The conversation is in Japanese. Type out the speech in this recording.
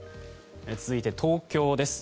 続いて東京です。